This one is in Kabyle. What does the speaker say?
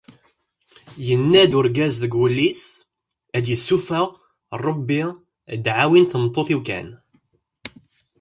Yenna urgaz deg wul-is: ”Ad yessufeɣ Rebbi ddεawi n tmeṭṭut-iw kan."